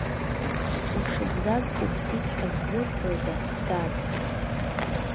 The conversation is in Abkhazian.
Ушыбзаз уԥсит ҳәа ззырҳәода, дад?